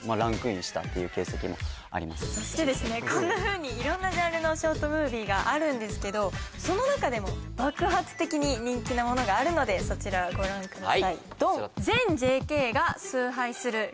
こんなふうに色んなジャンルのショートムービーがあるんですけどその中でも爆発的に人気なものがあるのでそちらご覧ください